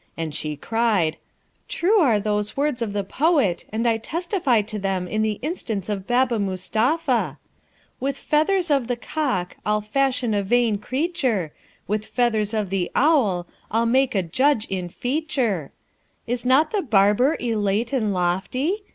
And she cried, 'True are those words of the poet, and I testify to them in the instance of Baba Mustapha: "With feathers of the cock, I'll fashion a vain creature; With feathers of the owl, I'll make a judge in feature"; Is not the barber elate and lofty?